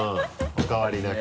お変わりなく。